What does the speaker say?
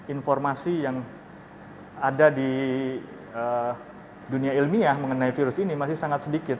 informasi yang ada di dunia ilmiah mengenai virus ini masih sangat sedikit